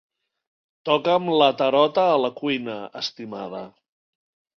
Toca'm la tarota a la cuina, estimada.